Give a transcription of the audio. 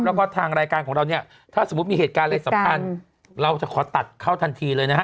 แล้วก็ทางรายการของเราเนี่ยถ้าสมมุติมีเหตุการณ์อะไรสำคัญเราจะขอตัดเข้าทันทีเลยนะฮะ